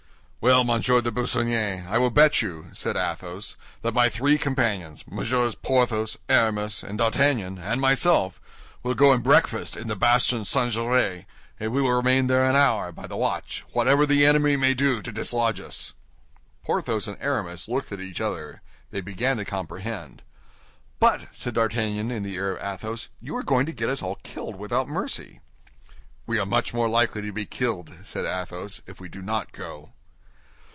"Well, Monsieur de Busigny, I will bet you," said Athos, "that my three companions, Messieurs Porthos, Aramis, and D'Artagnan, and myself, will go and breakfast in the bastion St. Gervais, and we will remain there an hour, by the watch, whatever the enemy may do to dislodge us." Porthos and Aramis looked at each other; they began to comprehend. "But," said D'Artagnan, in the ear of Athos, "you are going to get us all killed without mercy." "We are much more likely to be killed," said Athos, "if we do not go."